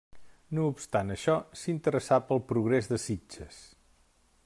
No obstant això, s'interessà pel progrés de Sitges.